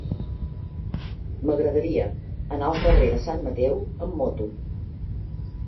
M'agradaria anar al carrer de Sant Mateu amb moto.